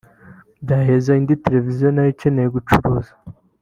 byaheza indi televiziyo na yo ikeneye gucuruza